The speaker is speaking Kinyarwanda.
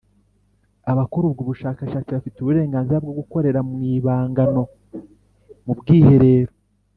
abakora ubwo bushakashatsi bafite uburenganzira bwo gukorera mu ibangano mu bwiherero.